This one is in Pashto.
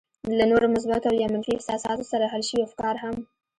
له نورو مثبتو او يا منفي احساساتو سره حل شوي افکار هم.